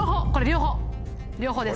「両方」です。